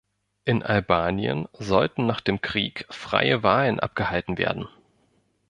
In Albanien sollten nach dem Krieg freie Wahlen abgehalten werden.